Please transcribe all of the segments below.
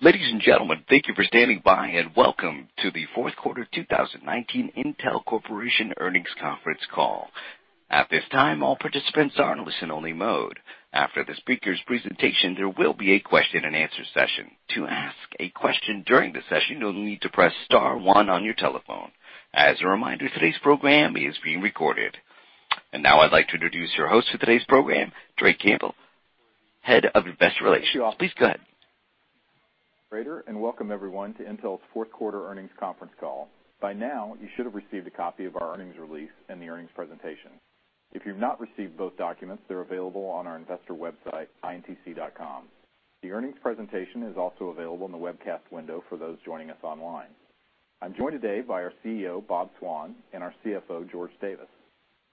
Ladies and gentlemen, thank you for standing by. Welcome to the fourth quarter 2019 Intel Corporation Earnings Conference Call. At this time, all participants are in listen-only mode. After the speakers' presentation, there will be a question-and-answer session. To ask a question during the session, you'll need to press star one on your telephone. As a reminder, today's program is being recorded. Now I'd like to introduce your host for today's program, Trey Campbell, Head of Investor Relations. Please go ahead. Welcome everyone to Intel's fourth quarter earnings conference call. By now, you should have received a copy of our earnings release and the earnings presentation. If you've not received both documents, they're available on our investor website, intc.com. The earnings presentation is also available in the webcast window for those joining us online. I'm joined today by our CEO, Bob Swan, and our CFO, George Davis.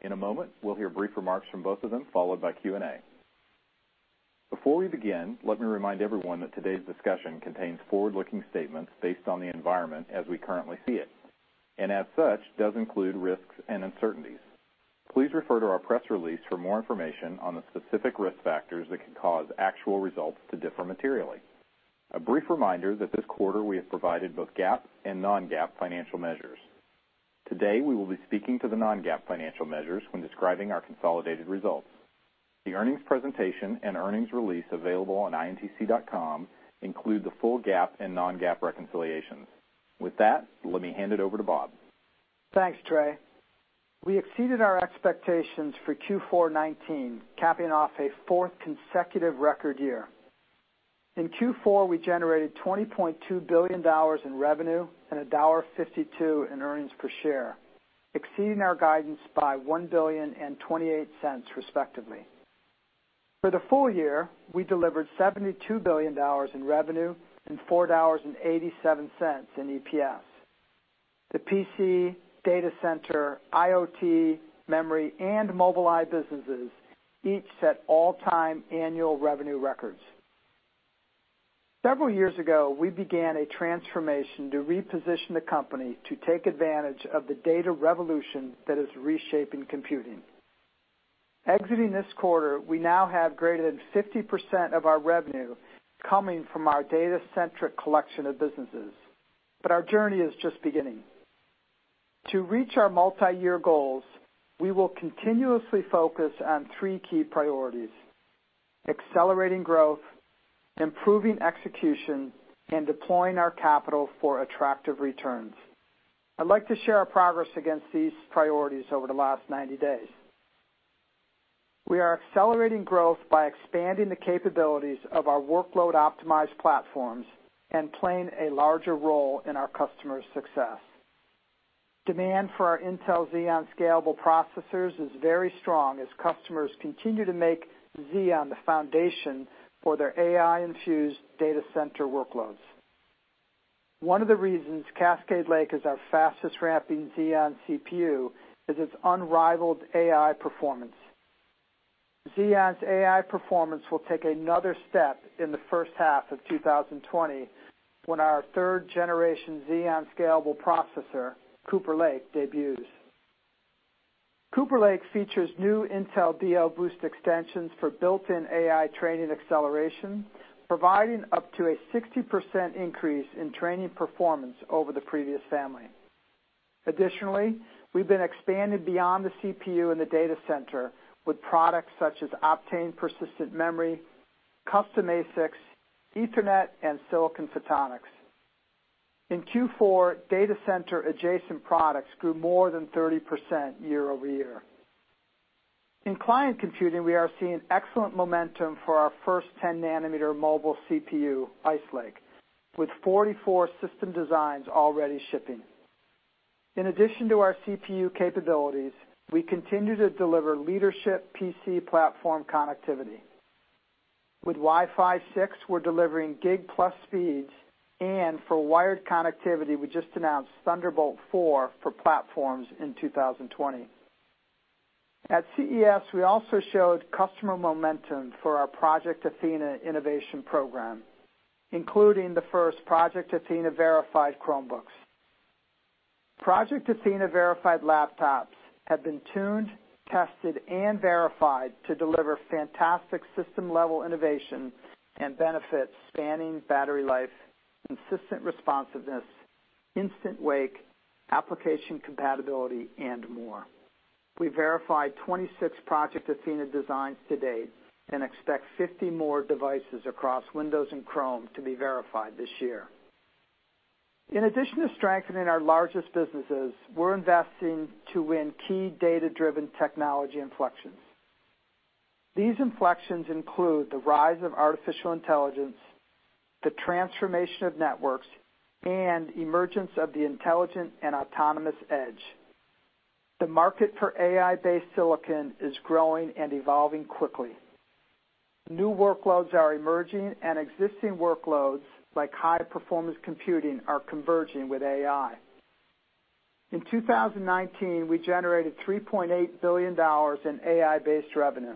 In a moment, we'll hear brief remarks from both of them, followed by Q&A. Before we begin, let me remind everyone that today's discussion contains forward-looking statements based on the environment as we currently see it, and as such, does include risks and uncertainties. Please refer to our press release for more information on the specific risk factors that can cause actual results to differ materially. A brief reminder that this quarter we have provided both GAAP and non-GAAP financial measures. Today, we will be speaking to the non-GAAP financial measures when describing our consolidated results. The earnings presentation and earnings release available on intc.com include the full GAAP and non-GAAP reconciliations. With that, let me hand it over to Bob. Thanks, Trey. We exceeded our expectations for Q4 2019, capping off a fourth consecutive record year. In Q4, we generated $20.2 billion in revenue and a $1.52 in earnings per share, exceeding our guidance by $1 billion and $0.28 respectively. For the full year, we delivered $72 billion in revenue and $4.87 in EPS. The PC, data center, IoT, memory, and Mobileye businesses each set all-time annual revenue records. Several years ago, we began a transformation to reposition the company to take advantage of the data revolution that is reshaping computing. Exiting this quarter, we now have greater than 50% of our revenue coming from our data-centric collection of businesses, but our journey is just beginning. To reach our multi-year goals, we will continuously focus on three key priorities: accelerating growth, improving execution, and deploying our capital for attractive returns. I'd like to share our progress against these priorities over the last 90 days. We are accelerating growth by expanding the capabilities of our workload-optimized platforms and playing a larger role in our customers' success. Demand for our Intel Xeon Scalable processors is very strong as customers continue to make Xeon the foundation for their AI-infused data center workloads. One of the reasons Cascade Lake is our fastest ramping Xeon CPU is its unrivaled AI performance. Xeon's AI performance will take another step in the first half of 2020 when our 3rd Generation Xeon Scalable processor, Cooper Lake, debuts. Cooper Lake features new Intel DL Boost extensions for built-in AI training acceleration, providing up to a 60% increase in training performance over the previous family. Additionally, we've been expanding beyond the CPU in the data center with products such as Optane persistent memory, custom ASICs, Ethernet, and silicon photonics. In Q4, data center adjacent products grew more than 30% year-over-year. In client computing, we are seeing excellent momentum for our first 10-nm mobile CPU, Ice Lake, with 44 system designs already shipping. In addition to our CPU capabilities, we continue to deliver leadership PC platform connectivity. With Wi-Fi 6, we're delivering gig-plus speeds, and for wired connectivity, we just announced Thunderbolt 4 for platforms in 2020. At CES, we also showed customer momentum for our Project Athena innovation program, including the first Project Athena verified Chromebooks. Project Athena verified laptops have been tuned, tested, and verified to deliver fantastic system-level innovation and benefits spanning battery life, consistent responsiveness, instant wake, application compatibility, and more. We verified 26 Project Athena designs to date and expect 50 more devices across Windows and Chrome to be verified this year. In addition to strengthening our largest businesses, we're investing to win key data-driven technology inflections. These inflections include the rise of artificial intelligence, the transformation of networks, and emergence of the intelligent and autonomous edge. The market for AI-based silicon is growing and evolving quickly. New workloads are emerging, and existing workloads, like high-performance computing, are converging with AI. In 2019, we generated $3.8 billion in AI-based revenue.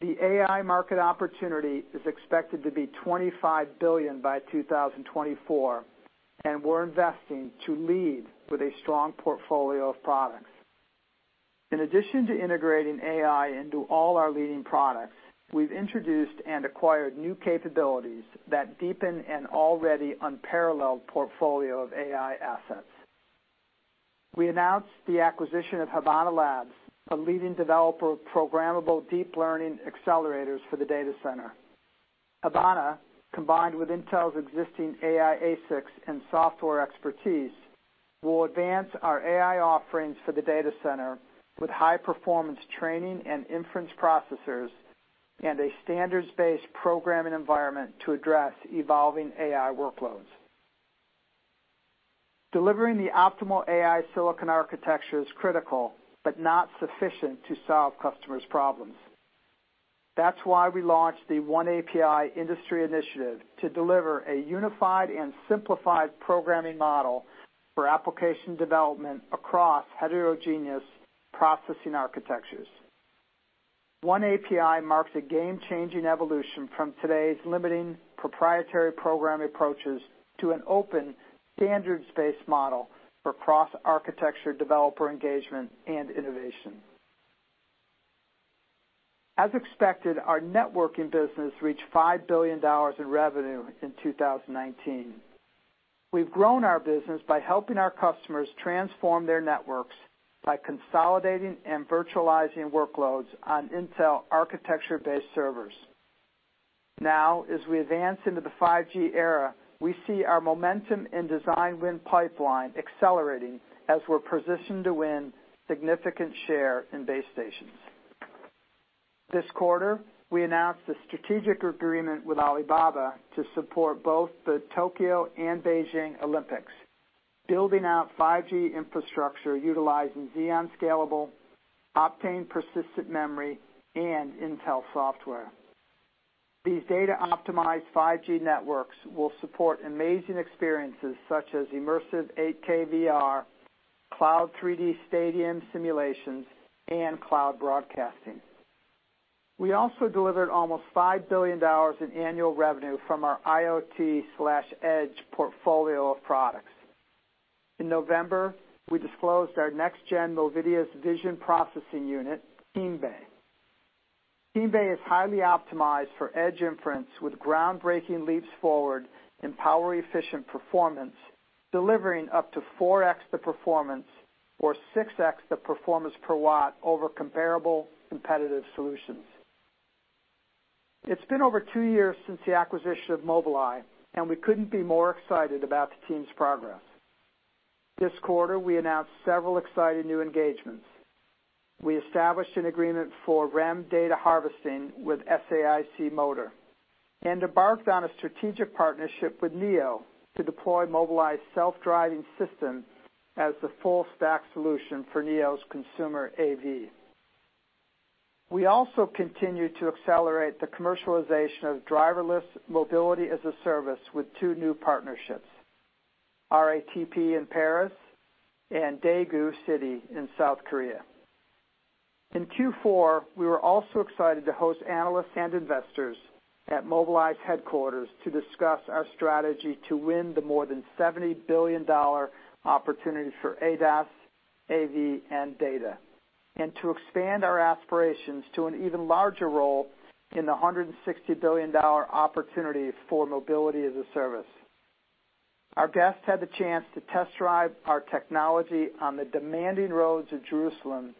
The AI market opportunity is expected to be $25 billion by 2024, and we're investing to lead with a strong portfolio of products. In addition to integrating AI into all our leading products, we've introduced and acquired new capabilities that deepen an already unparalleled portfolio of AI assets. We announced the acquisition of Habana Labs, a leading developer of programmable deep learning accelerators for the data center. Habana, combined with Intel's existing AI ASICs and software expertise, will advance our AI offerings for the data center with high-performance training and inference processors and a standards-based programming environment to address evolving AI workloads. Delivering the optimal AI silicon architecture is critical but not sufficient to solve customers' problems. That's why we launched the oneAPI industry initiative to deliver a unified and simplified programming model for application development across heterogeneous processing architectures. OneAPI marks a game-changing evolution from today's limiting proprietary program approaches to an open, standards-based model for cross-architecture developer engagement and innovation. As expected, our networking business reached $5 billion in revenue in 2019. We've grown our business by helping our customers transform their networks by consolidating and virtualizing workloads on Intel architecture-based servers. As we advance into the 5G era, we see our momentum in design win pipeline accelerating as we're positioned to win significant share in base stations. This quarter, we announced a strategic agreement with Alibaba to support both the Tokyo and Beijing Olympics, building out 5G infrastructure utilizing Xeon Scalable, Optane persistent memory, and Intel software. These data-optimized 5G networks will support amazing experiences such as immersive 8K VR, cloud 3D stadium simulations, and cloud broadcasting. We also delivered almost $5 billion in annual revenue from our IoT/edge portfolio of products. In November, we disclosed our next-gen Movidius Vision Processing Unit, Keem Bay. Keem Bay is highly optimized for edge inference with groundbreaking leaps forward in power-efficient performance, delivering up to 4x the performance or 6x the performance per watt over comparable competitive solutions. It's been over two years since the acquisition of Mobileye, and we couldn't be more excited about the team's progress. This quarter, we announced several exciting new engagements. We established an agreement for REM data harvesting with SAIC Motor and embarked on a strategic partnership with NIO to deploy Mobileye self-driving systems as the full-stack solution for NIO's consumer AV. We also continued to accelerate the commercialization of driverless mobility as a service with two new partnerships, RATP in Paris and Daegu City in South Korea. In Q4, we were also excited to host analysts and investors at Mobileye's headquarters to discuss our strategy to win the more than $70 billion opportunity for ADAS, AV, and data, and to expand our aspirations to an even larger role in the $160 billion opportunity for mobility as a service. Our guests had the chance to test drive our technology on the demanding roads of Jerusalem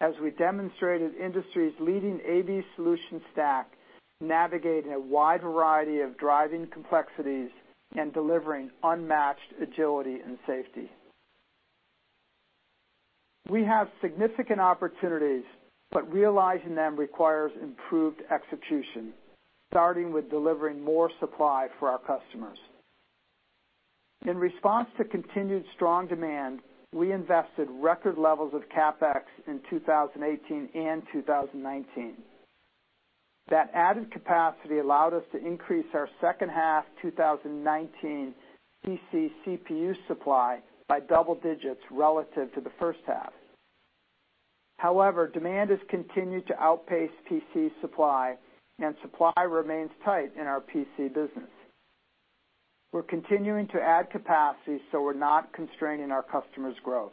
as we demonstrated the industry's leading AV solution stack, navigating a wide variety of driving complexities and delivering unmatched agility and safety. We have significant opportunities, but realizing them requires improved execution, starting with delivering more supply for our customers. In response to continued strong demand, we invested record levels of CapEx in 2018 and 2019. That added capacity allowed us to increase our second half 2019 PC CPU supply by double digits relative to the first half. However, demand has continued to outpace PC supply, and supply remains tight in our PC business. We're continuing to add capacity so we're not constraining our customers' growth.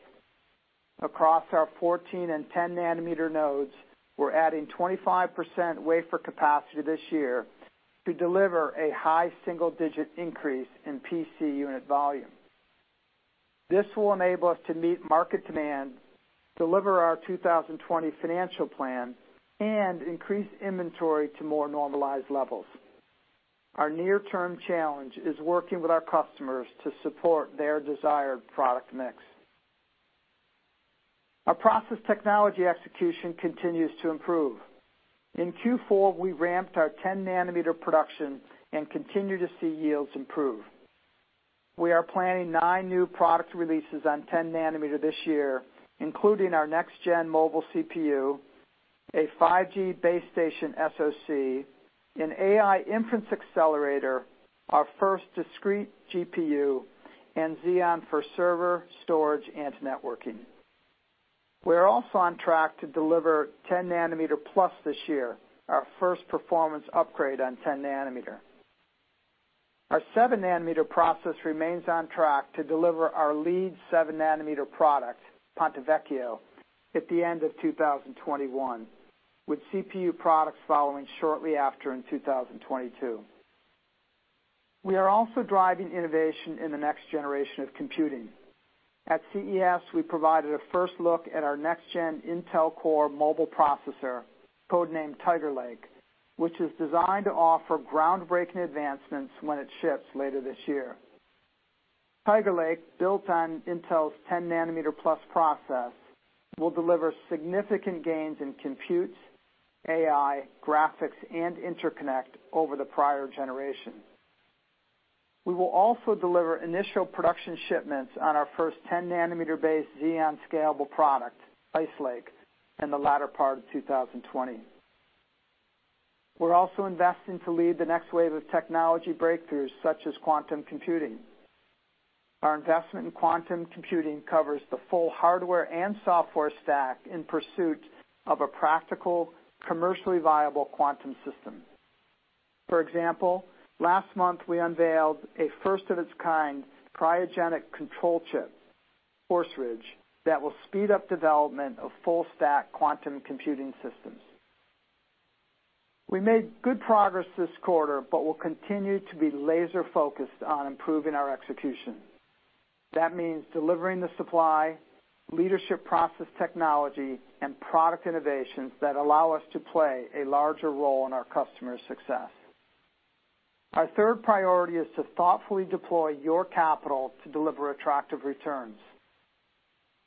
Across our 14 and 10-nanometer nodes, we're adding 25% wafer capacity this year to deliver a high single-digit increase in PC unit volume. This will enable us to meet market demand, deliver our 2020 financial plan, and increase inventory to more normalized levels. Our near-term challenge is working with our customers to support their desired product mix. Our process technology execution continues to improve. In Q4, we ramped our 10-nm production and continue to see yields improve. We are planning nine new product releases on 10-nm this year, including our next-gen mobile CPU, a 5G base station SoC, an AI inference accelerator, our first discrete GPU, and Xeon for server, storage, and networking. We're also on track to deliver 10-nm plus this year, our first performance upgrade on 10-nm. Our seven-nanometer process remains on track to deliver our lead 7-nm product, Ponte Vecchio, at the end of 2021, with CPU products following shortly after in 2022. We are also driving innovation in the next generation of computing. At CES, we provided a first look at our next-gen Intel Core mobile processor, codenamed Tiger Lake, which is designed to offer groundbreaking advancements when it ships later this year. Tiger Lake, built on Intel's 10-nm plus process, will deliver significant gains in compute, AI, graphics, and interconnect over the prior generation. We will also deliver initial production shipments on our first 10-nm based Xeon scalable product, Ice Lake, in the latter part of 2020. We're also investing to lead the next wave of technology breakthroughs, such as quantum computing. Our investment in quantum computing covers the full hardware and software stack in pursuit of a practical, commercially viable quantum system. For example, last month, we unveiled a first of its kind cryogenic control chip, Horse Ridge, that will speed up development of full stack quantum computing systems. We made good progress this quarter, but we'll continue to be laser-focused on improving our execution. That means delivering the supply, leadership process technology, and product innovations that allow us to play a larger role in our customers' success. Our third priority is to thoughtfully deploy your capital to deliver attractive returns.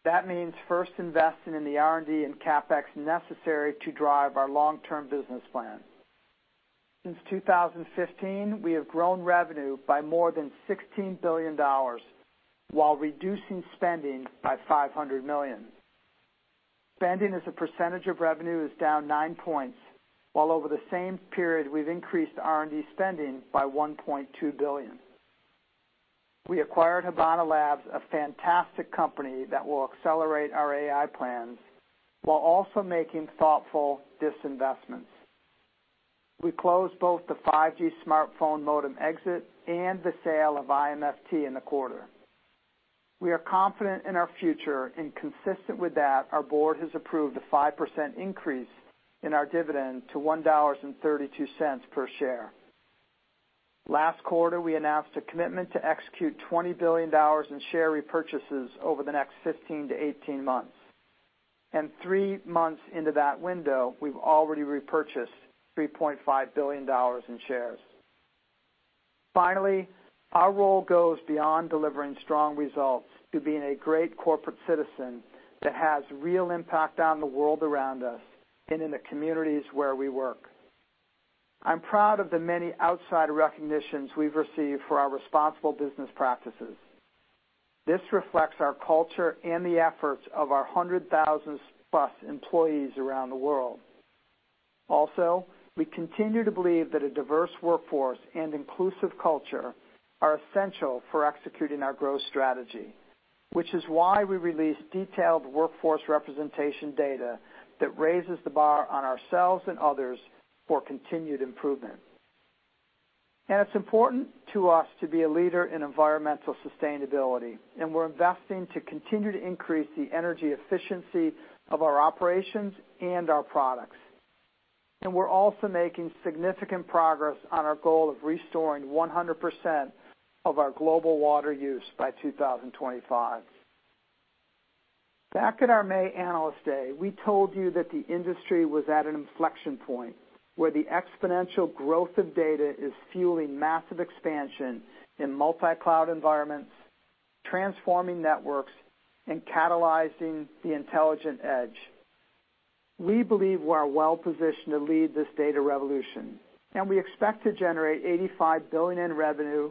That means first investing in the R&D and CapEx necessary to drive our long-term business plan. Since 2015, we have grown revenue by more than $16 billion while reducing spending by $500 million. Spending as a percentage of revenue is down nine points, while over the same period, we've increased R&D spending by $1.2 billion. We acquired Habana Labs, a fantastic company that will accelerate our AI plans while also making thoughtful disinvestments. We closed both the 5G smartphone modem exit and the sale of IM Flash Technologies in the quarter. We are confident in our future, and consistent with that, our board has approved a 5% increase in our dividend to $1.32 per share. Last quarter, we announced a commitment to execute $20 billion in share repurchases over the next 15 to 18 months. Three months into that window, we've already repurchased $3.5 billion in shares. Finally, our role goes beyond delivering strong results to being a great corporate citizen that has real impact on the world around us and in the communities where we work. I'm proud of the many outside recognitions we've received for our responsible business practices. This reflects our culture and the efforts of our 100,000+ employees around the world. We continue to believe that a diverse workforce and inclusive culture are essential for executing our growth strategy, which is why we released detailed workforce representation data that raises the bar on ourselves and others for continued improvement. It's important to us to be a leader in environmental sustainability, and we're investing to continue to increase the energy efficiency of our operations and our products. We're also making significant progress on our goal of restoring 100% of our global water use by 2025. Back at our May Analyst Day, we told you that the industry was at an inflection point where the exponential growth of data is fueling massive expansion in multi-cloud environments, transforming networks, and catalyzing the intelligent edge. We believe we're well-positioned to lead this data revolution. We expect to generate $85 billion in revenue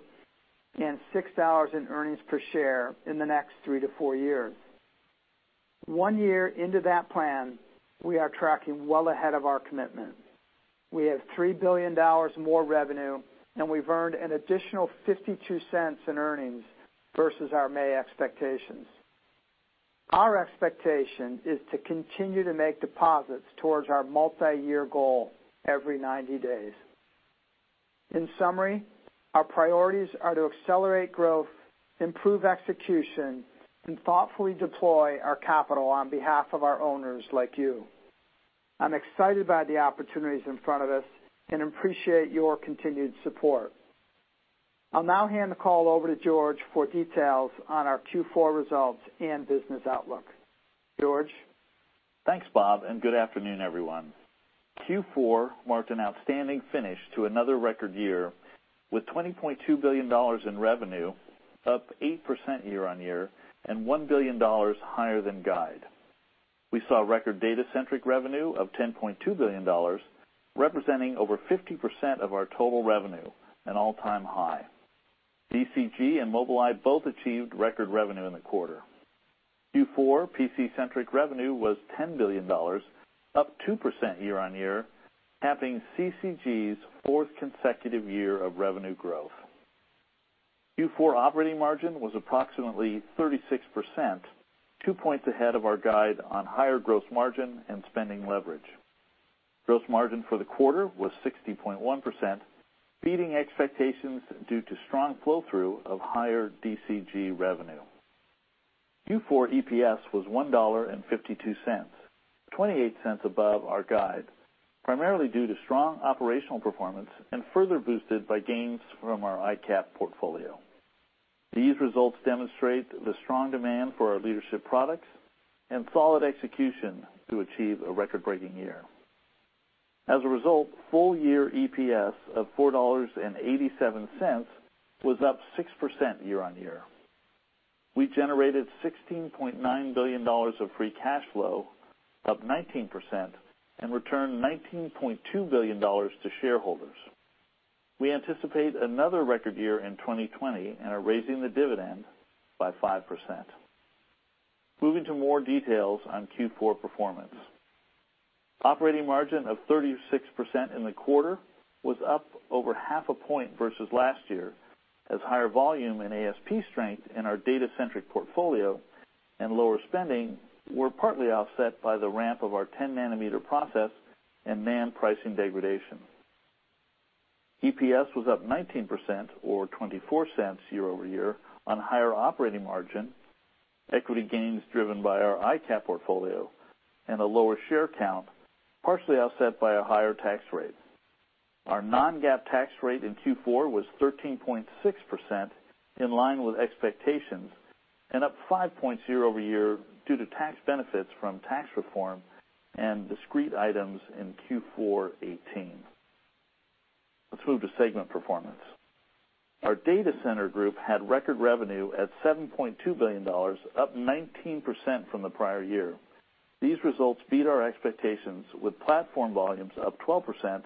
and $6 in earnings per share in the next three to four years. One year into that plan, we are tracking well ahead of our commitment. We have $3 billion more revenue. We've earned an additional $0.52 in earnings versus our May expectations. Our expectation is to continue to make deposits towards our multi-year goal every 90 days. In summary, our priorities are to accelerate growth, improve execution, and thoughtfully deploy our capital on behalf of our owners like you. I'm excited by the opportunities in front of us and appreciate your continued support. I'll now hand the call over to George for details on our Q4 results and business outlook. George? Thanks, Bob, and good afternoon, everyone. Q4 marked an outstanding finish to another record year with $20.2 billion in revenue, up 8% year-on-year and $1 billion higher than guide. We saw record data centric revenue of $10.2 billion, representing over 50% of our total revenue, an all-time high. DCG and Mobileye both achieved record revenue in the quarter. Q4 PC centric revenue was $10 billion, up 2% year-on-year, capping CCG's fourth consecutive year of revenue growth. Q4 operating margin was approximately 36%, two points ahead of our guide on higher gross margin and spending leverage. Gross margin for the quarter was 60.1%, beating expectations due to strong flow-through of higher DCG revenue. Q4 EPS was $1.52, $0.28 above our guide, primarily due to strong operational performance and further boosted by gains from our ICAP portfolio. These results demonstrate the strong demand for our leadership products and solid execution to achieve a record-breaking year. Full-year EPS of $4.87 was up 6% year-on-year. We generated $16.9 billion of free cash flow, up 19%, and returned $19.2 billion to shareholders. We anticipate another record year in 2020 and are raising the dividend by 5%. Moving to more details on Q4 performance. Operating margin of 36% in the quarter was up over half a point versus last year, as higher volume and ASP strength in our data-centric portfolio and lower spending were partly offset by the ramp of our 10-nanometer process and NAND pricing degradation. EPS was up 19%, or $0.24 year-over-year on higher operating margin, equity gains driven by our Intel Capital portfolio, and a lower share count, partially offset by a higher tax rate. Our non-GAAP tax rate in Q4 was 13.6%, in line with expectations, and up five points year-over-year due to tax benefits from tax reform and discrete items in Q4 2018. Let's move to segment performance. Our Data Center Group had record revenue at $7.2 billion, up 19% from the prior year. These results beat our expectations with platform volumes up 12%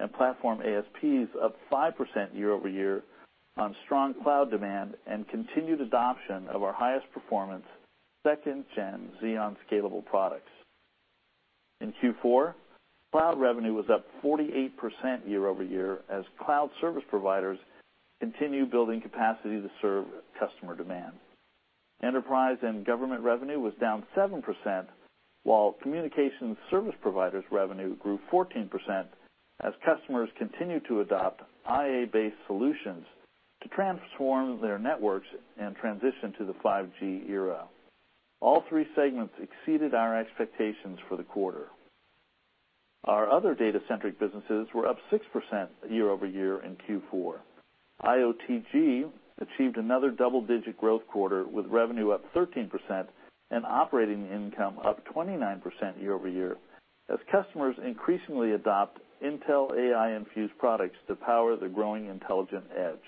and platform ASPs up 5% year-over-year on strong cloud demand and continued adoption of our highest performance 2nd Gen Xeon Scalable products. In Q4, cloud revenue was up 48% year-over-year as cloud service providers continue building capacity to serve customer demand. Enterprise and government revenue was down 7%, while communications service providers revenue grew 14% as customers continued to adopt IA-based solutions to transform their networks and transition to the 5G era. All three segments exceeded our expectations for the quarter. Our other data-centric businesses were up 6% year-over-year in Q4. IOTG achieved another double-digit growth quarter, with revenue up 13% and operating income up 29% year-over-year as customers increasingly adopt Intel AI-infused products to power the growing intelligent edge.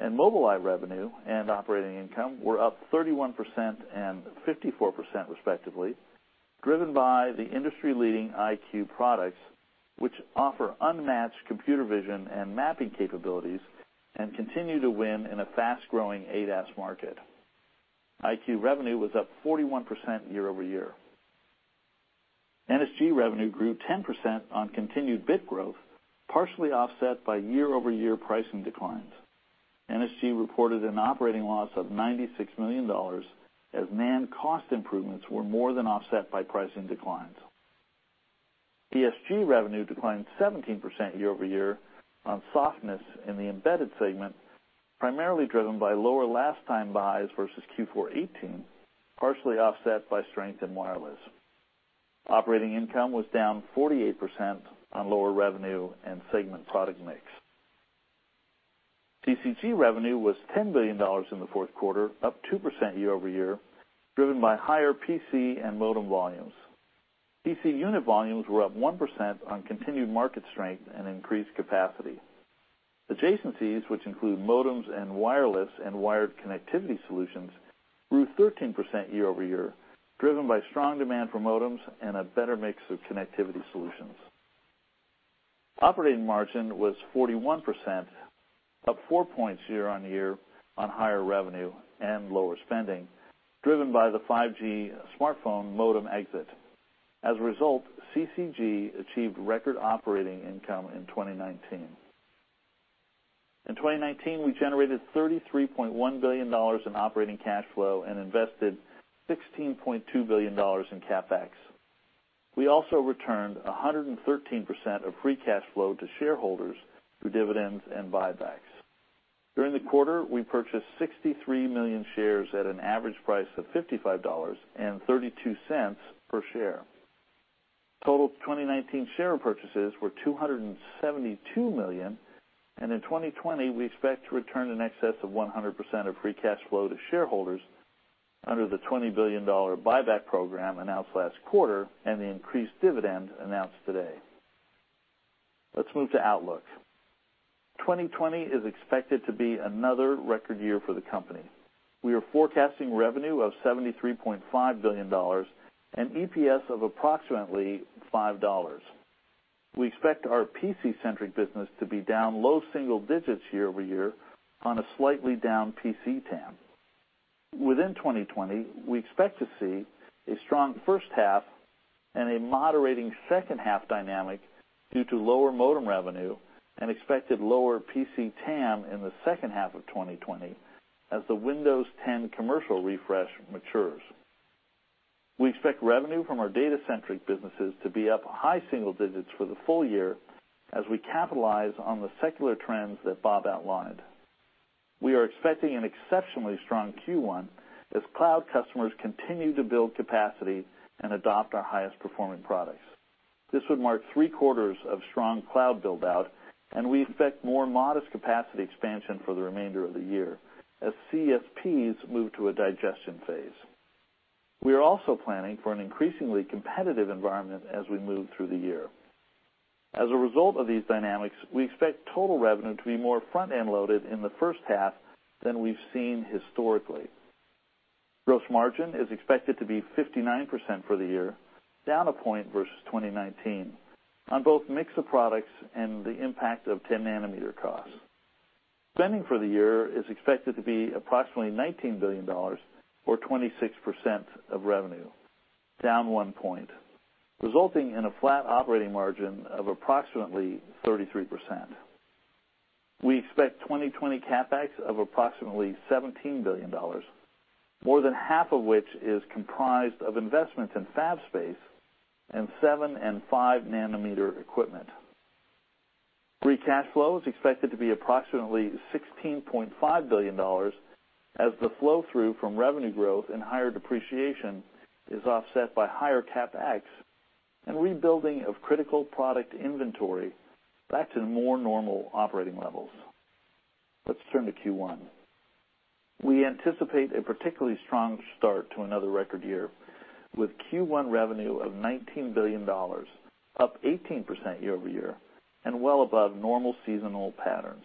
Mobileye revenue and operating income were up 31% and 54% respectively, driven by the industry-leading EyeQ products, which offer unmatched computer vision and mapping capabilities and continue to win in a fast-growing ADAS market. EyeQ revenue was up 41% year-over-year. NSG revenue grew 10% on continued bit growth, partially offset by year-over-year pricing declines. NSG reported an operating loss of $96 million as NAND cost improvements were more than offset by pricing declines. DSG revenue declined 17% year-over-year on softness in the embedded segment, primarily driven by lower last-time buys versus Q4 2018, partially offset by strength in wireless. Operating income was down 48% on lower revenue and segment product mix. CCG revenue was $10 billion in the fourth quarter, up 2% year-over-year, driven by higher PC and modem volumes. PC unit volumes were up 1% on continued market strength and increased capacity. Adjacencies, which include modems and wireless and wired connectivity solutions, grew 13% year-over-year, driven by strong demand for modems and a better mix of connectivity solutions. Operating margin was 41%, up four points year-on-year on higher revenue and lower spending, driven by the 5G smartphone modem exit. As a result, CCG achieved record operating income in 2019. In 2019, we generated $33.1 billion in operating cash flow and invested $16.2 billion in CapEx. We also returned 113% of free cash flow to shareholders through dividends and buybacks. During the quarter, we purchased 63 million shares at an average price of $55.32 per share. Total 2019 share purchases were $272 million. In 2020, we expect to return in excess of 100% of free cash flow to shareholders under the $20 billion buyback program announced last quarter and the increased dividend announced today. Let's move to outlook. 2020 is expected to be another record year for the company. We are forecasting revenue of $73.5 billion and EPS of approximately $5. We expect our PC-centric business to be down low single digits year-over-year on a slightly down PC TAM. Within 2020, we expect to see a strong first half and a moderating second half dynamic due to lower modem revenue and expected lower PC TAM in the second half of 2020 as the Windows 10 commercial refresh matures. We expect revenue from our data-centric businesses to be up high single digits for the full year as we capitalize on the secular trends that Bob outlined. We are expecting an exceptionally strong Q1 as cloud customers continue to build capacity and adopt our highest performing products. This would mark three quarters of strong cloud build-out, and we expect more modest capacity expansion for the remainder of the year as CSPs move to a digestion phase. We are also planning for an increasingly competitive environment as we move through the year. As a result of these dynamics, we expect total revenue to be more front-end loaded in the first half than we've seen historically. Gross margin is expected to be 59% for the year, down one point versus 2019, on both mix of products and the impact of 10 nm costs. Spending for the year is expected to be approximately $19 billion, or 26% of revenue, down one point, resulting in a flat operating margin of approximately 33%. We expect 2020 CapEx of approximately $17 billion, more than half of which is comprised of investments in fab space and 7 nm and 5 nm equipment. Free cash flow is expected to be approximately $16.5 billion, as the flow-through from revenue growth and higher depreciation is offset by higher CapEx and rebuilding of critical product inventory back to more normal operating levels. Let's turn to Q1. We anticipate a particularly strong start to another record year, with Q1 revenue of $19 billion, up 18% year-over-year, and well above normal seasonal patterns.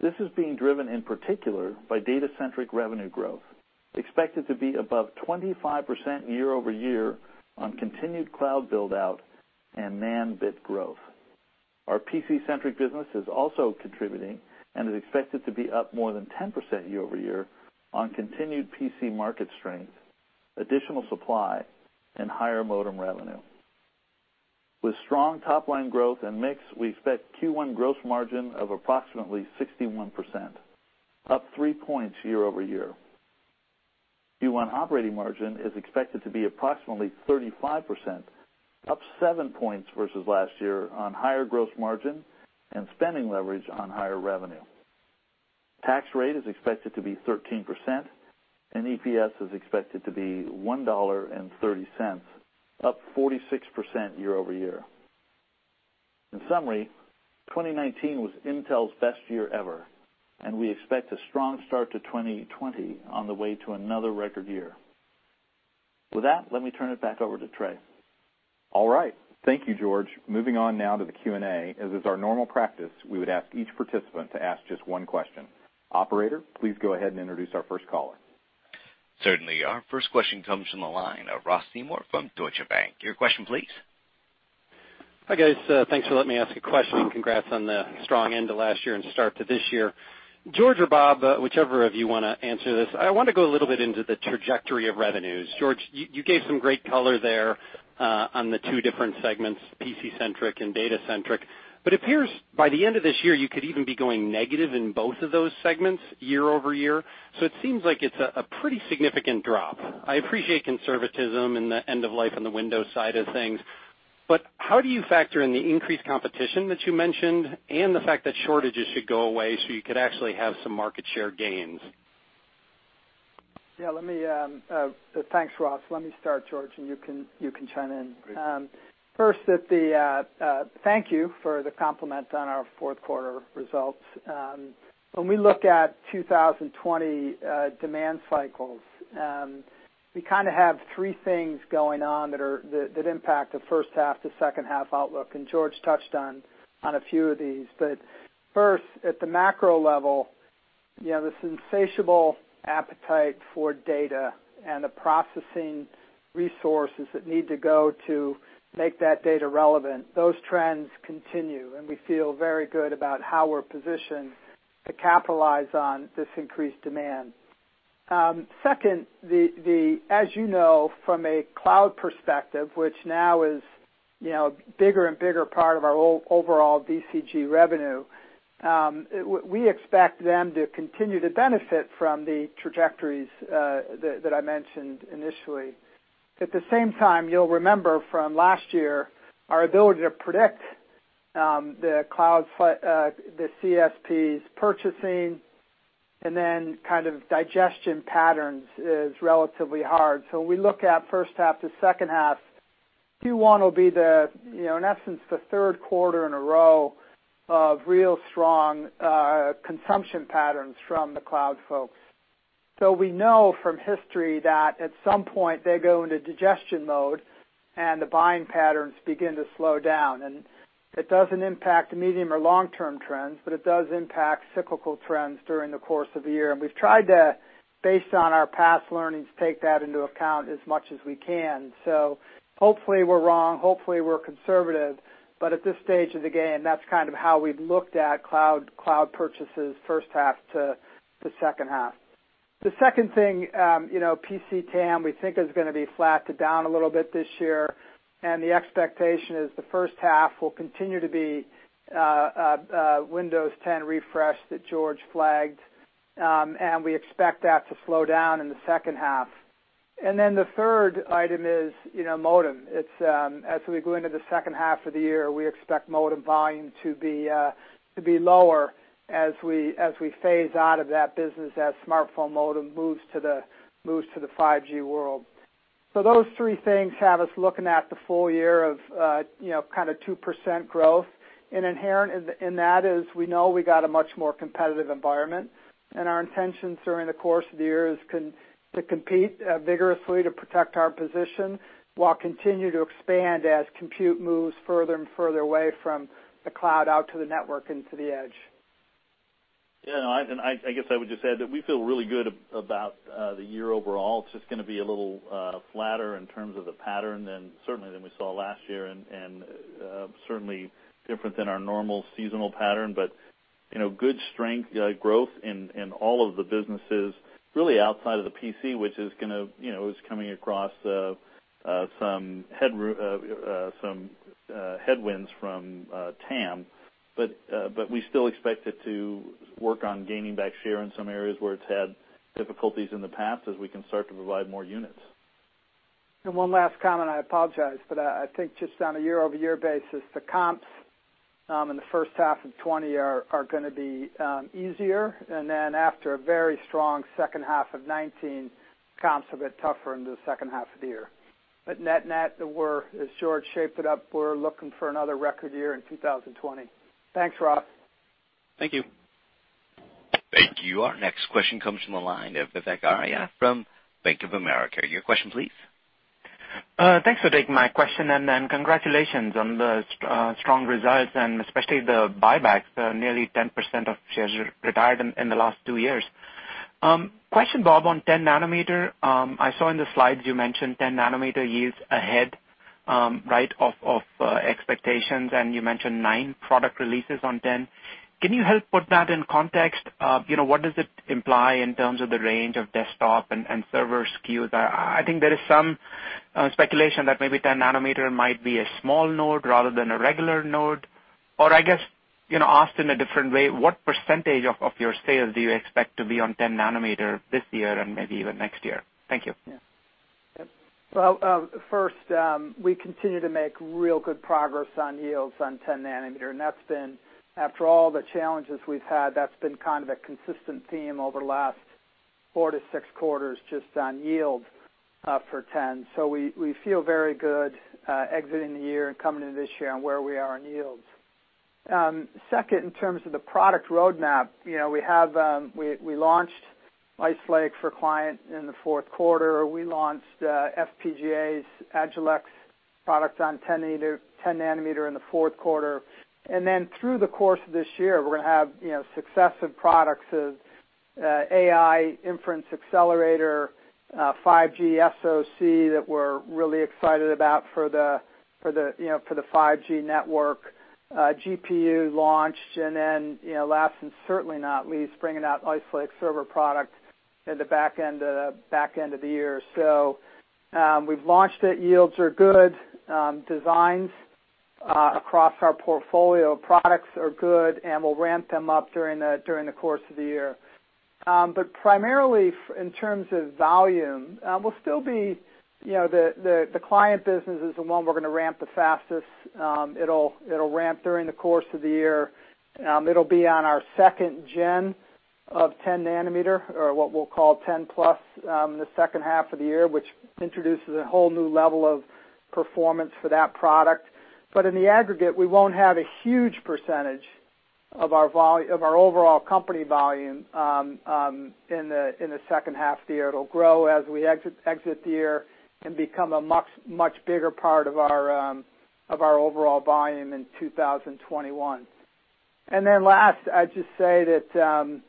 This is being driven in particular by data-centric revenue growth, expected to be above 25% year-over-year on continued cloud build-out and NAND bit growth. Our PC-centric business is also contributing and is expected to be up more than 10% year-over-year on continued PC market strength, additional supply, and higher modem revenue. With strong top-line growth and mix, we expect Q1 gross margin of approximately 61%, up three points year-over-year. Q1 operating margin is expected to be approximately 35%, up seven points versus last year on higher gross margin and spending leverage on higher revenue. Tax rate is expected to be 13%, and EPS is expected to be $1.30, up 46% year-over-year. In summary, 2019 was Intel's best year ever, and we expect a strong start to 2020 on the way to another record year. With that, let me turn it back over to Trey. All right. Thank you, George. Moving on now to the Q&A. As is our normal practice, we would ask each participant to ask just one question. Operator, please go ahead and introduce our first caller. Certainly. Our first question comes from the line of Ross Seymore from Deutsche Bank. Your question please. Hi, guys. Thanks for letting me ask a question. Congrats on the strong end to last year and start to this year. George or Bob, whichever of you want to answer this. I want to go a little bit into the trajectory of revenues. George, you gave some great color there on the two different segments, PC-centric and data-centric. It appears by the end of this year, you could even be going negative in both of those segments year-over-year. It seems like it's a pretty significant drop. I appreciate conservatism and the end of life on the Windows side of things, but how do you factor in the increased competition that you mentioned and the fact that shortages should go away so you could actually have some market share gains? Yeah. Thanks, Ross. Let me start, George, and you can chime in. Great. First, thank you for the compliment on our fourth quarter results. When we look at 2020 demand cycles, we have three things going on that impact the first half to second half outlook, and George touched on a few of these. First, at the macro level, this insatiable appetite for data and the processing resources that need to go to make that data relevant, those trends continue, and we feel very good about how we're positioned to capitalize on this increased demand. Second, as you know from a cloud perspective, which now is a bigger and bigger part of our overall DCG revenue, we expect them to continue to benefit from the trajectories that I mentioned initially. At the same time, you'll remember from last year, our ability to predict the CSPs purchasing and then kind of digestion patterns is relatively hard. We look at first half to second half, Q1 will be, in essence, the third quarter in a row of real strong consumption patterns from the cloud folks. We know from history that at some point, they go into digestion mode, and the buying patterns begin to slow down. It doesn't impact medium or long-term trends, but it does impact cyclical trends during the course of the year. We've tried to, based on our past learnings, take that into account as much as we can. Hopefully, we're wrong. Hopefully, we're conservative. At this stage of the game, that's kind of how we've looked at cloud purchases first half to second half. The second thing, PC TAM, we think is gonna be flat to down a little bit this year. The expectation is the first half will continue to be Windows 10 refresh that George flagged, and we expect that to slow down in the second half. The third item is modem. As we go into the second half of the year, we expect modem volume to be lower as we phase out of that business as smartphone modem moves to the 5G world. Those three things have us looking at the full year of kind of 2% growth. Inherent in that is we know we got a much more competitive environment, and our intentions during the course of the year is to compete vigorously to protect our position, while continue to expand as compute moves further and further away from the cloud out to the network into the edge. Yeah. I guess I would just add that we feel really good about the year overall. It's just gonna be a little flatter in terms of the pattern than, certainly than we saw last year, and certainly different than our normal seasonal pattern. Good strength growth in all of the businesses really outside of the PC, which is coming across some headwinds from TAM. We still expect it to work on gaining back share in some areas where it's had difficulties in the past as we can start to provide more units. One last comment, I apologize for that. I think just on a year-over-year basis, the comps in the first half of 2020 are going to be easier. After a very strong second half of 2019, comps a bit tougher in the second half of the year. Net net, as George shaped it up, we're looking for another record year in 2020. Thanks, Ross. Thank you. Thank you. Our next question comes from the line of Vivek Arya from Bank of America. Your question please. Thanks for taking my question. Congratulations on the strong results and especially the buybacks. Nearly 10% of shares retired in the last two years. Question, Bob, on 10 nm. I saw in the slides you mentioned 10 nm yields ahead of expectations. You mentioned nine product releases on 10. Can you help put that in context? What does it imply in terms of the range of desktop and server SKUs? I think there is some speculation that maybe 10 nm might be a small node rather than a regular node. I guess, asked in a different way, what percentage of your sales do you expect to be on 10 nm this year and maybe even next year? Thank you. Well, first, we continue to make real good progress on yields on 10 nm, and that's been, after all the challenges we've had, that's been kind of a consistent theme over the last four to six quarters just on yield for 10. We feel very good exiting the year and coming into this year on where we are on yields. Second, in terms of the product roadmap, we launched Ice Lake for client in the fourth quarter. We launched FPGAs Agilex products on 10 nm in the fourth quarter. Through the course of this year, we're gonna have successive products of AI inference accelerator, 5G SoC that we're really excited about for the 5G network, GPU launch, and then last and certainly not least, bringing out Ice Lake server product in the back end of the year. We've launched it. Yields are good. Designs across our portfolio of products are good, and we'll ramp them up during the course of the year. But primarily in terms of volume, the client business is the one we're gonna ramp the fastest. It'll ramp during the course of the year. It'll be on our second gen of 10 nm, or what we'll call 10+, in the second half of the year, which introduces a whole new level of performance for that product. But in the aggregate, we won't have a huge percentage of our overall company volume in the second half of the year. It'll grow as we exit the year and become a much bigger part of our overall volume in 2021. Last, I'd just say that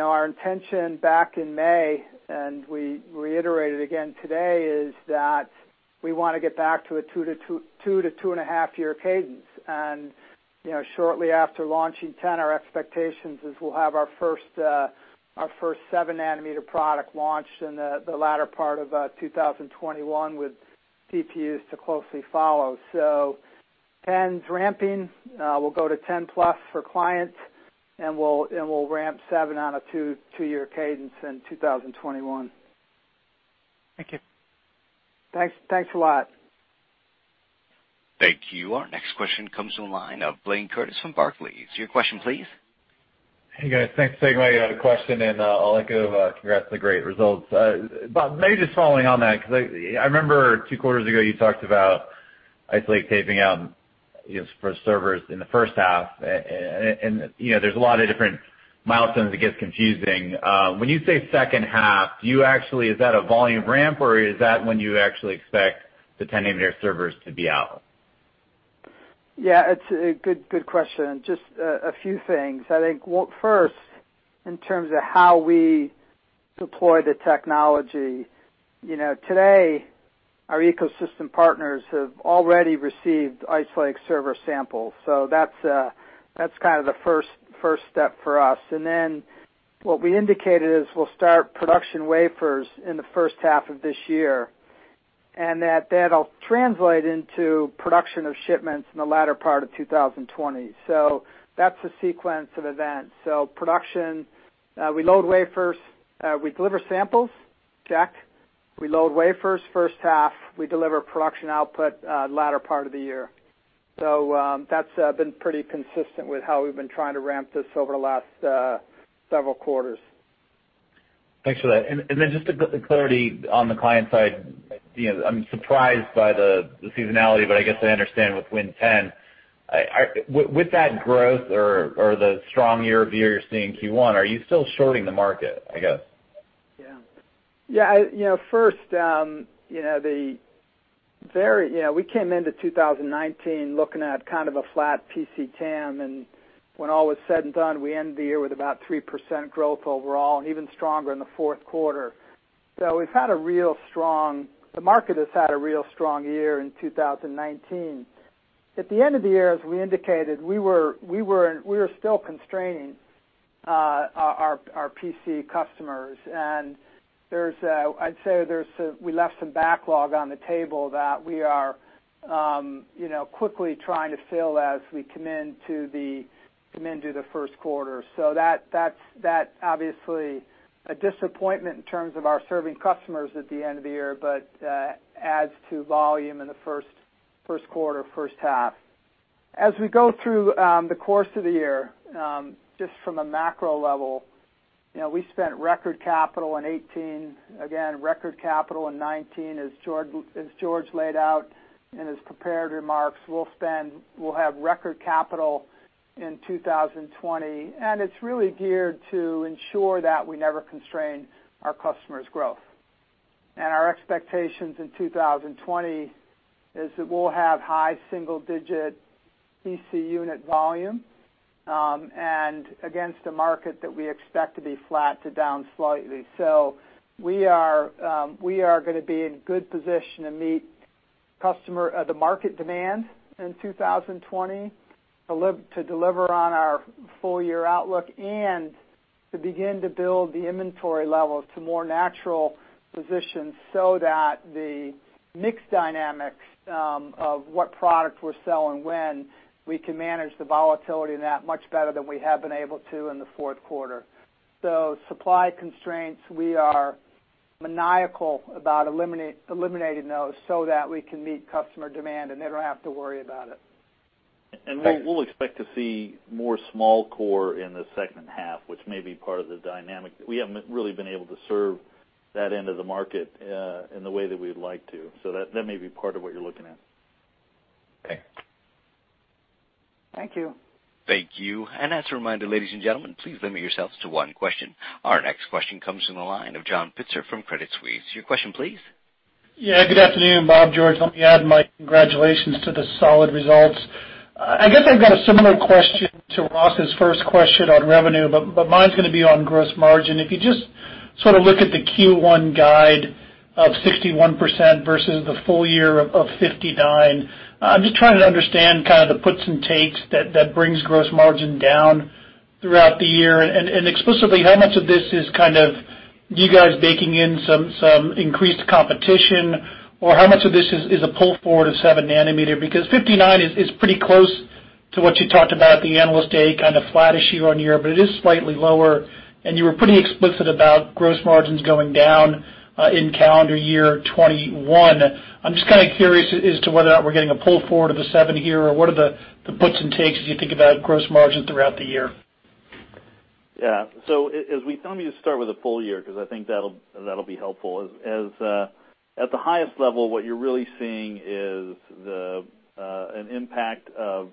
our intention back in May, and we reiterated again today, is that we want to get back to a 2-2.5 year cadence. Shortly after launching 10, our expectations is we'll have our first 7 nm product launched in the latter part of 2021 with GPU to closely follow. 10's ramping. We'll go to 10+ for clients, and we'll ramp seven on a two-year cadence in 2021. Thank you. Thanks a lot. Thank you. Our next question comes from the line of Blayne Curtis from Barclays. Your question please. Hey, guys. Thanks for taking my question, and I'll echo congrats on the great results. Bob, maybe just following on that, because I remember two quarters ago you talked about Ice Lake taping out for servers in the first half, and there's a lot of different milestones, it gets confusing. When you say second half, is that a volume ramp, or is that when you actually expect the 10 nm servers to be out? It's a good question. Just a few things. First, in terms of how we deploy the technology, today, our ecosystem partners have already received Ice Lake server samples. That's the first step for us. What we indicated is we'll start production wafers in the first half of this year, and that'll translate into production of shipments in the latter part of 2020. That's the sequence of events. Production, we load wafers, we deliver samples, check. We load wafers first half, we deliver production output latter part of the year. That's been pretty consistent with how we've been trying to ramp this over the last several quarters. Thanks for that. Then just a bit of clarity on the client side. I'm surprised by the seasonality, but I guess I understand with Windows 10. With that growth or the strong year-over-year you're seeing Q1, are you still shorting the market, I guess? We came into 2019 looking at kind of a flat PC TAM, and when all was said and done, we ended the year with about 3% growth overall, and even stronger in the fourth quarter. The market has had a real strong year in 2019. At the end of the year, as we indicated, we were still constraining our PC customers, and I'd say we left some backlog on the table that we are quickly trying to fill as we come into the first quarter. That's obviously a disappointment in terms of our serving customers at the end of the year, but adds to volume in the first quarter, first half. As we go through the course of the year, just from a macro level, we spent record capital in 2018. Again, record capital in 2019. As George laid out in his prepared remarks, we'll have record capital in 2020, and it's really geared to ensure that we never constrain our customers' growth. Our expectations in 2020 is that we'll have high single-digit PC unit volume, and against a market that we expect to be flat to down slightly. We are going to be in good position to meet the market demand in 2020 to deliver on our full-year outlook, and to begin to build the inventory levels to more natural positions, so that the mix dynamics of what product we're selling when, we can manage the volatility in that much better than we have been able to in the fourth quarter. Supply constraints, we are maniacal about eliminating those so that we can meet customer demand and they don't have to worry about it. We'll expect to see more small core in the second half, which may be part of the dynamic. We haven't really been able to serve that end of the market in the way that we'd like to. That may be part of what you're looking at. Okay. Thank you. Thank you. As a reminder, ladies and gentlemen, please limit yourselves to one question. Our next question comes from the line of John Pitzer from Credit Suisse. Your question, please. Good afternoon, Bob, George. Let me add my congratulations to the solid results. I guess I've got a similar question to Ross' first question on revenue, but mine's going to be on gross margin. If you just sort of look at the Q1 guide of 61% versus the full year of 59%, I'm just trying to understand kind of the puts and takes that brings gross margin down throughout the year, and explicitly how much of this is kind of you guys baking in some increased competition, or how much of this is a pull forward of 7 nm? 59% is pretty close to what you talked about at the Analyst Day, kind of flat-ish year-on-year, but it is slightly lower, and you were pretty explicit about gross margins going down in calendar year 2021. I'm just kind of curious as to whether or not we're getting a pull forward of a seven here, or what are the puts and takes as you think about gross margin throughout the year? Yeah. Let me just start with the full year, because I think that'll be helpful. At the highest level, what you're really seeing is an impact of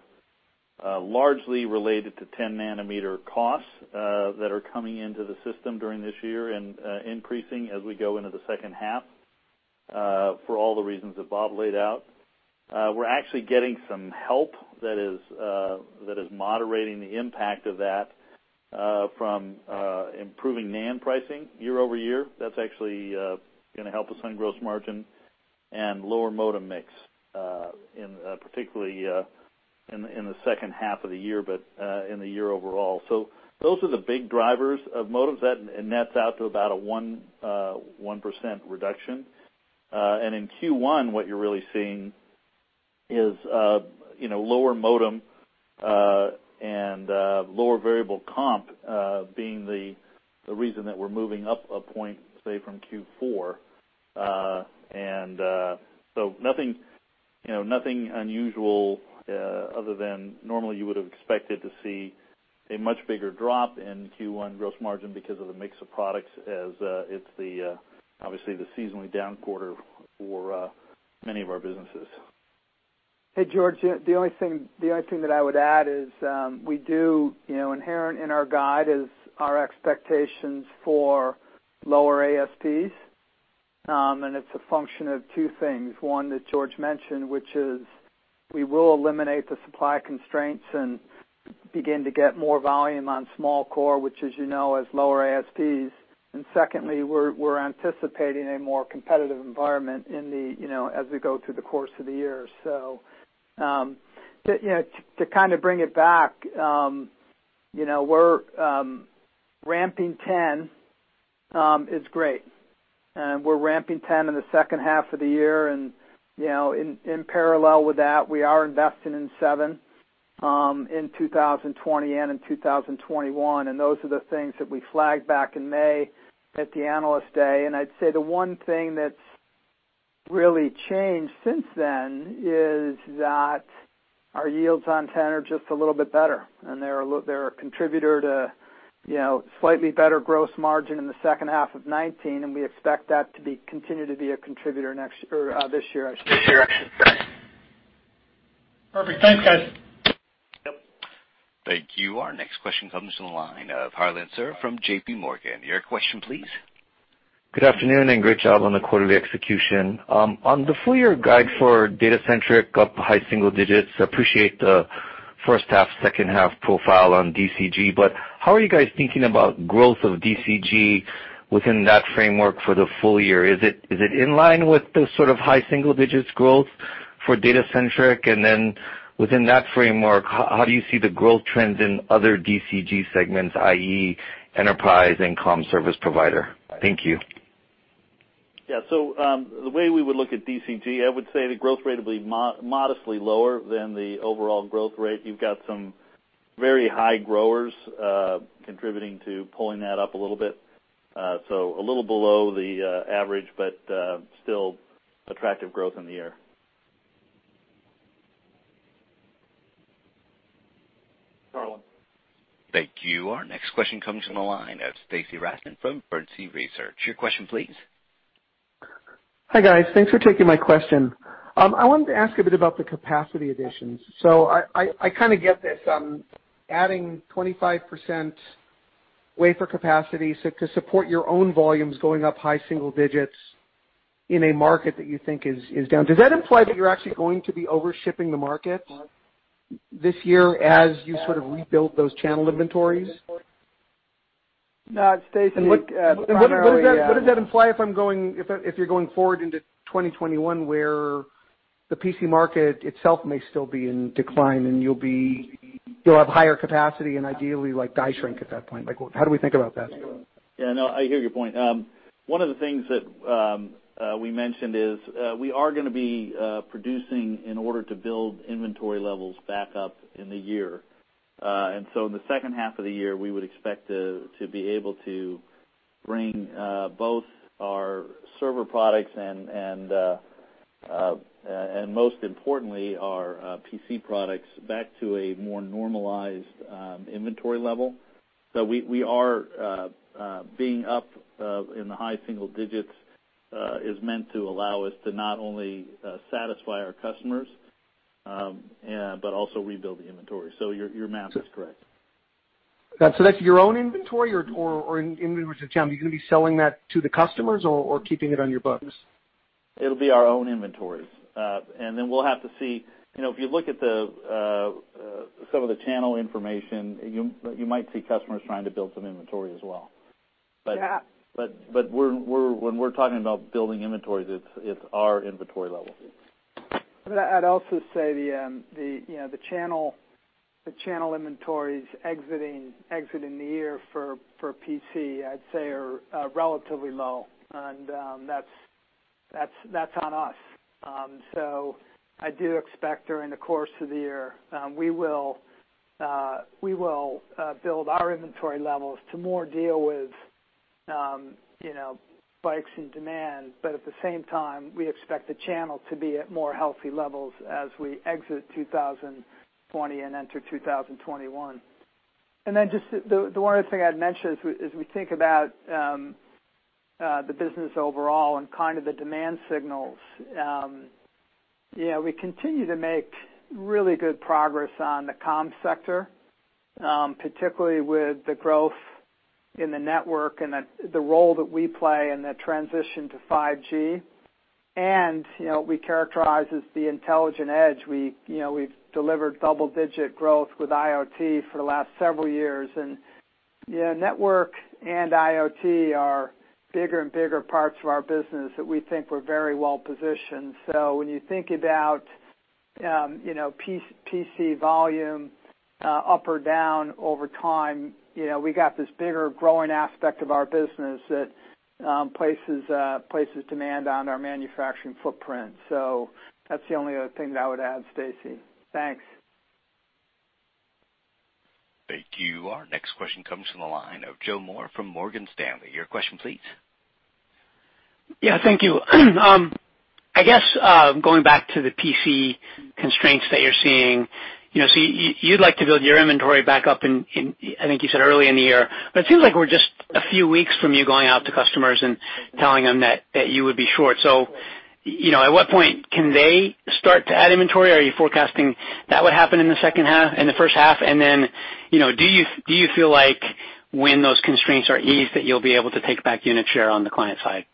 largely related to 10 nm costs that are coming into the system during this year, and increasing as we go into the second half, for all the reasons that Bob laid out. We're actually getting some help that is moderating the impact of that from improving NAND pricing year-over-year. That's actually going to help us on gross margin, and lower modem mix, particularly in the second half of the year, but in the year overall. Those are the big drivers of motives, and nets out to about a 1% reduction. In Q1, what you're really seeing is lower modem and lower variable comp being the reason that we're moving up a point, say, from Q4. Nothing unusual other than normally you would've expected to see a much bigger drop in Q1 gross margin because of the mix of products as it's obviously the seasonally down quarter for many of our businesses. Hey, George, the only thing that I would add is inherent in our guide is our expectations for lower ASPs, and it's a function of two things. One that George mentioned, which is we will eliminate the supply constraints and begin to get more volume on small core, which, as you know, has lower ASPs. Secondly, we're anticipating a more competitive environment as we go through the course of the year. To kind of bring it back, ramping 10 is great. We're ramping 10 in the second half of the year. In parallel with that, we are investing in 7, in 2020 and in 2021. Those are the things that we flagged back in May at the Analyst Day. I'd say the one thing that's really changed since then is that our yields on 10 are just a little bit better, and they're a contributor to slightly better gross margin in the second half of 2019, and we expect that to continue to be a contributor this year actually. Perfect. Thanks, guys. Yep. Thank you. Our next question comes from the line of Harlan Sur from JPMorgan. Your question, please. Good afternoon, and great job on the quarterly execution. On the full-year guide for Data Centric up high single digits, appreciate the first half, second half profile on DCG. How are you guys thinking about growth of DCG within that framework for the full year? Is it in line with the sort of high single digits growth for Data Centric? Within that framework, how do you see the growth trends in other DCG segments, i.e. Enterprise and Comm Service Provider? Thank you. The way we would look at DCG, I would say the growth rate will be modestly lower than the overall growth rate. You've got some very high growers, contributing to pulling that up a little bit. A little below the average, but still attractive growth in the year. Harlan. Thank you. Our next question comes from the line of Stacy Rasgon from Bernstein Research. Your question, please. Hi, guys. Thanks for taking my question. I wanted to ask a bit about the capacity additions. I kind of get this, adding 25% wafer capacity, so to support your own volumes going up high single digits in a market that you think is down. Does that imply that you're actually going to be over-shipping the market this year as you sort of rebuild those channel inventories? No, Stacy, look. What does that imply if you're going forward into 2021, where the PC market itself may still be in decline, and you'll have higher capacity and ideally like die shrink at that point? Like, how do we think about that? Yeah, no, I hear your point. One of the things that we mentioned is, we are gonna be producing in order to build inventory levels back up in the year. In the second half of the year, we would expect to be able to bring both our server products and most importantly, our PC products back to a more normalized inventory level. We are being up, in the high single digits, is meant to allow us to not only satisfy our customers, but also rebuild the inventory. Your math is correct. That's your own inventory or in terms of channel, you're going to be selling that to the customers or keeping it on your books? It'll be our own inventories. We'll have to see, if you look at some of the channel information, you might see customers trying to build some inventory as well. Yeah. When we're talking about building inventories, it's our inventory level. I'd also say the channel inventories exiting the year for PC, I'd say are relatively low. That's on us. I do expect during the course of the year, we will build our inventory levels to more deal with spikes in demand. At the same time, we expect the channel to be at more healthy levels as we exit 2020 and enter 2021. Just the one other thing I'd mention is as we think about the business overall and kind of the demand signals, we continue to make really good progress on the comms sector, particularly with the growth in the network and the role that we play in the transition to 5G. We characterize as the intelligent edge. We've delivered double-digit growth with IoT for the last several years. Network and IoT are bigger and bigger parts of our business that we think we're very well-positioned. When you think about PC volume up or down over time, we got this bigger growing aspect of our business that places demand on our manufacturing footprint. That's the only other thing that I would add, Stacy. Thanks. Thank you. Our next question comes from the line of Joe Moore from Morgan Stanley. Your question, please. Yeah, thank you. I guess, going back to the PC constraints that you're seeing, so you'd like to build your inventory back up in, I think you said early in the year, but it seems like we're just a few weeks from you going out to customers and telling them that you would be short. At what point can they start to add inventory? Are you forecasting that would happen in the first half? Do you feel like when those constraints are eased, that you'll be able to take back unit share on the client side?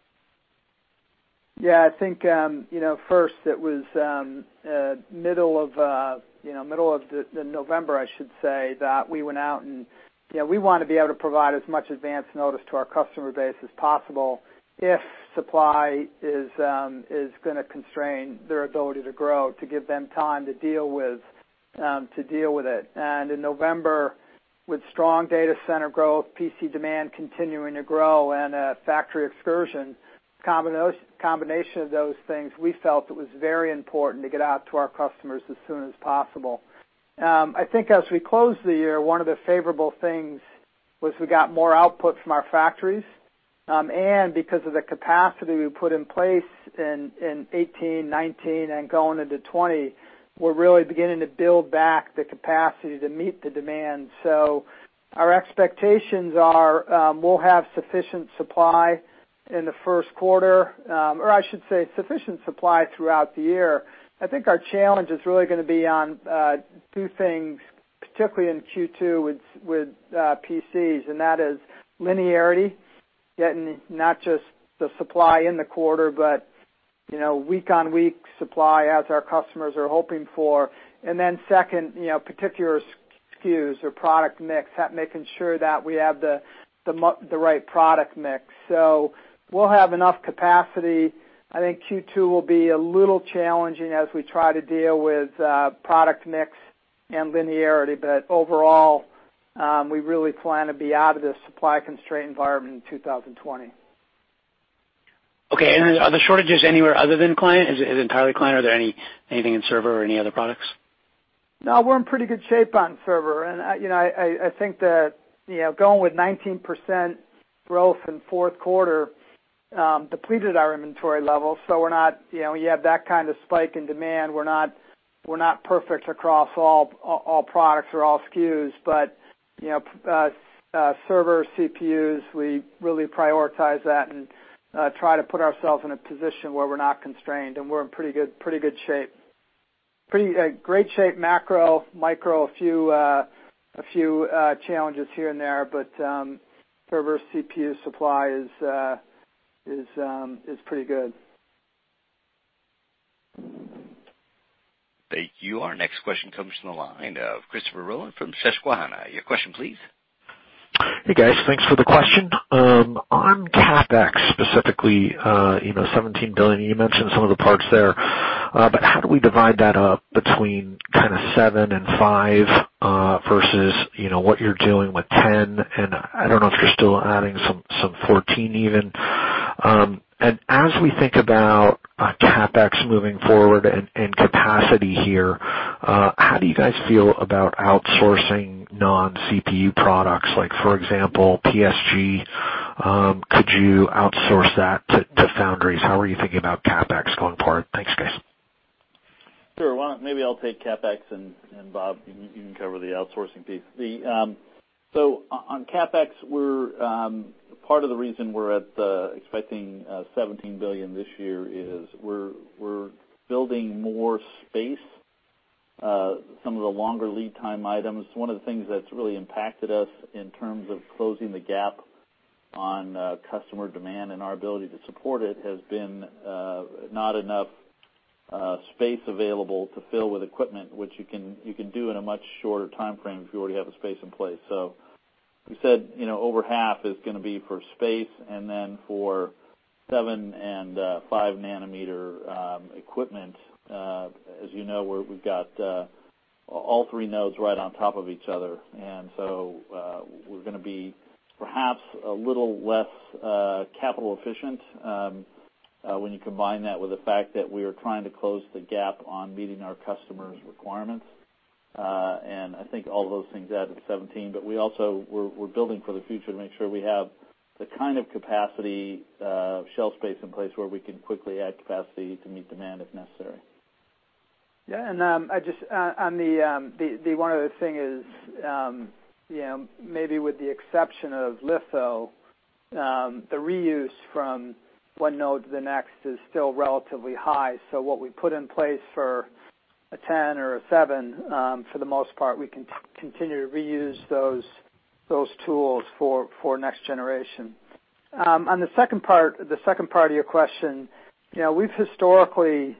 Yeah, I think first it was middle of November, I should say, that we went out and we want to be able to provide as much advance notice to our customer base as possible if supply is going to constrain their ability to grow, to give them time to deal with it. In November, with strong data center growth, PC demand continuing to grow, and a factory excursion, combination of those things, we felt it was very important to get out to our customers as soon as possible. I think as we closed the year, one of the favorable things was we got more output from our factories. Because of the capacity we put in place in 2018, 2019, and going into 2020, we're really beginning to build back the capacity to meet the demand. Our expectations are, we'll have sufficient supply in the first quarter, or I should say sufficient supply throughout the year. I think our challenge is really going to be on two things, particularly in Q2 with PCs, and that is linearity, getting not just the supply in the quarter, but week-on-week supply as our customers are hoping for. Second, particular SKUs or product mix, making sure that we have the right product mix. We'll have enough capacity. I think Q2 will be a little challenging as we try to deal with product mix and linearity. Overall, we really plan to be out of this supply-constrained environment in 2020. Are the shortages anywhere other than client? Is it entirely client, or are there anything in server or any other products? No, we're in pretty good shape on server, and I think that going with 19% growth in fourth quarter depleted our inventory level. When you have that kind of spike in demand, we're not perfect across all products or all SKUs, but server CPUs, we really prioritize that and try to put ourselves in a position where we're not constrained, and we're in pretty good shape. Great shape macro, micro, a few challenges here and there, server CPU supply is pretty good. Thank you. Our next question comes from the line of Chris Rolland from Susquehanna. Your question, please. Hey, guys. Thanks for the question. On CapEx, specifically, $17 billion, you mentioned some of the parts there. How do we divide that up between seven and five, versus what you're doing with 10? I don't know if you're still adding some 14 even. As we think about CapEx moving forward and capacity here, how do you guys feel about outsourcing non-CPU products? Like for example, PSG, could you outsource that to foundries? How are you thinking about CapEx going forward? Thanks, guys. Sure. Well, maybe I'll take CapEx, and Bob, you can cover the outsourcing piece. On CapEx, part of the reason we're expecting $17 billion this year is we're building more space, some of the longer lead time items. One of the things that's really impacted us in terms of closing the gap on customer demand and our ability to support it has been not enough space available to fill with equipment, which you can do in a much shorter timeframe if you already have a space in place. We said over half is going to be for space, for 7 nm and 5 nm equipment. As you know, we've got all three nodes right on top of each other, we're going to be perhaps a little less capital efficient when you combine that with the fact that we are trying to close the gap on meeting our customers' requirements. I think all those things add up to 17, but we're building for the future to make sure we have the kind of capacity shelf space in place where we can quickly add capacity to meet demand if necessary. Yeah, the one other thing is maybe with the exception of litho, the reuse from one node to the next is still relatively high. What we put in place for a 10 or a seven, for the most part, we can continue to reuse those tools for next generation. On the second part of your question, we've historically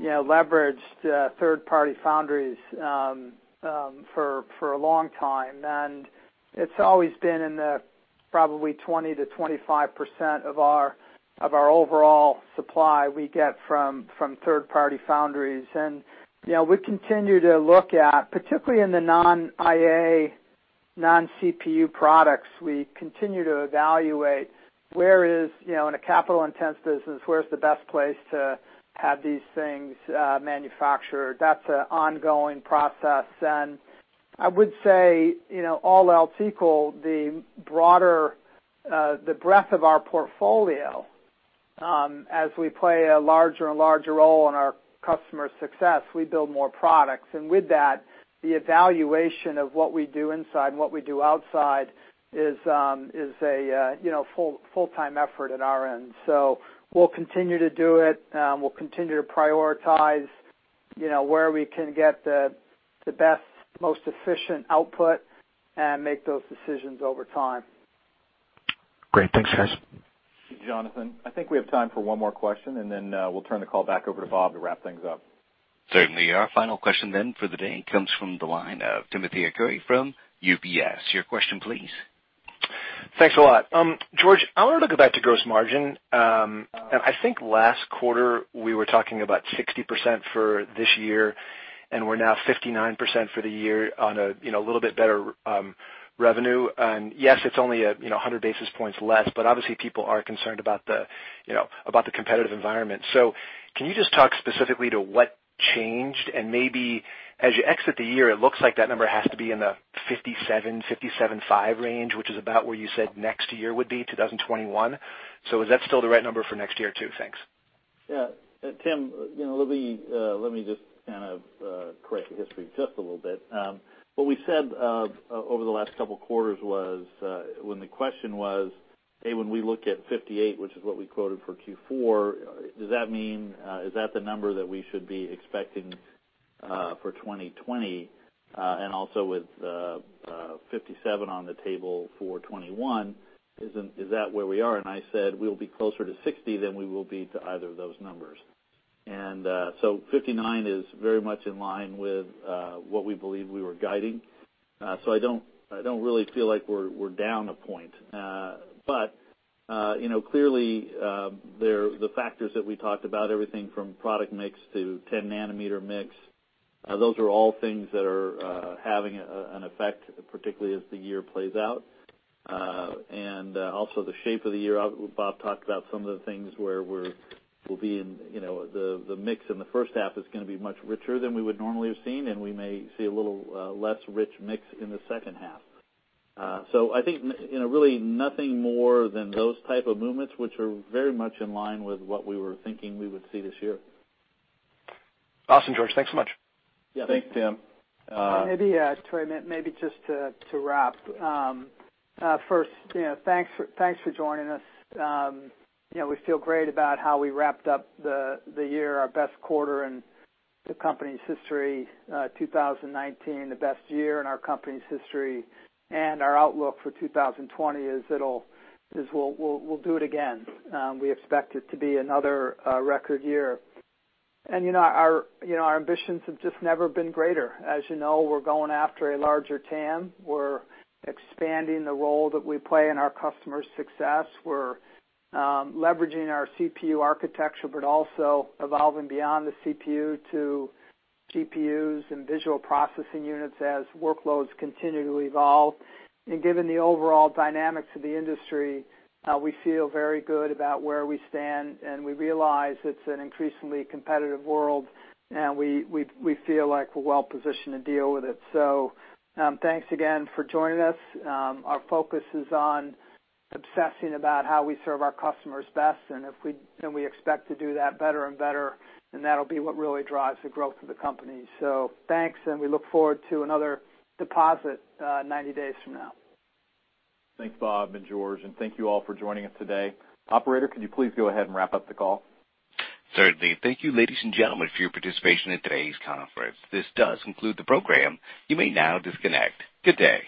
leveraged third-party foundries for a long time, and it's always been in the probably 20%-25% of our overall supply we get from third-party foundries. We continue to look at, particularly in the non-IA, non-CPU products, we continue to evaluate where is, in a capital-intense business, where is the best place to have these things manufactured? That's an ongoing process. I would say, all else equal, the breadth of our portfolio, as we play a larger and larger role in our customers' success, we build more products. With that, the evaluation of what we do inside and what we do outside is a full-time effort at our end. We'll continue to do it. We'll continue to prioritize where we can get the best, most efficient output and make those decisions over time. Great. Thanks, guys. Jonathan, I think we have time for one more question, and then we'll turn the call back over to Bob to wrap things up. Certainly. Our final question then for the day comes from the line of Timothy Arcuri from UBS. Your question, please. Thanks a lot. George, I wanted to go back to gross margin. I think last quarter we were talking about 60% for this year, and we're now 59% for the year on a little bit better revenue. Yes, it's only 100 basis points less, but obviously people are concerned about the competitive environment. Can you just talk specifically to what changed and maybe as you exit the year, it looks like that number has to be in the 57-57.5 range, which is about where you said next year would be 2021. Is that still the right number for next year, too? Thanks. Yeah. Tim, let me just kind of correct the history just a little bit. What we said over the last couple of quarters was, when the question was, "Hey, when we look at 58, which is what we quoted for Q4, is that the number that we should be expecting for 2020? Also with 57 on the table for 2021, is that where we are?" I said, "We'll be closer to 60 than we will be to either of those numbers." 59 is very much in line with what we believe we were guiding. I don't really feel like we're down a point. Clearly, the factors that we talked about, everything from product mix to 10 nm mix, those are all things that are having an effect, particularly as the year plays out. Also the shape of the year, Bob talked about some of the things where the mix in the first half is going to be much richer than we would normally have seen, and we may see a little less rich mix in the second half. I think really nothing more than those type of movements, which are very much in line with what we were thinking we would see this year. Awesome, George. Thanks so much. Yeah. Thanks, Tim. Trey, just to wrap. First, thanks for joining us. We feel great about how we wrapped up the year, our best quarter in the company's history, 2019, the best year in our company's history. Our outlook for 2020 is we'll do it again. We expect it to be another record year. Our ambitions have just never been greater. As you know, we're going after a larger TAM. We're expanding the role that we play in our customers' success. We're leveraging our CPU architecture, also evolving beyond the CPU to GPUs and visual processing units as workloads continue to evolve. Given the overall dynamics of the industry, we feel very good about where we stand. We realize it's an increasingly competitive world. We feel like we're well-positioned to deal with it. Thanks again for joining us. Our focus is on obsessing about how we serve our customers best. We expect to do that better and better, and that'll be what really drives the growth of the company. Thanks. We look forward to another deposit 90 days from now. Thanks, Bob and George, and thank you all for joining us today. Operator, could you please go ahead and wrap up the call? Certainly. Thank you, ladies and gentlemen, for your participation in today's conference. This does conclude the program. You may now disconnect. Good day.